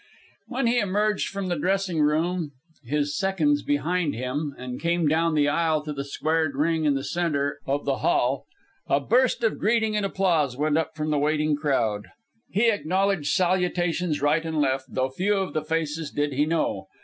When he emerged from the dressing room, his seconds behind him, and came down the aisle to the squared ring in the centre of the hall, a burst of greeting and applause went up from the waiting crowd. He acknowledged salutations right and left, though few of the faces did he know.